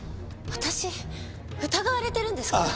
私疑われてるんですか？